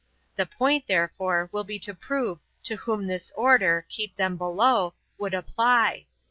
The point, therefore, will be to prove to whom this order, "keep them below," would apply.